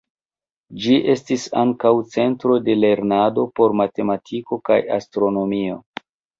Ĝi estis ankaŭ centro de lernado por matematiko kaj astronomio.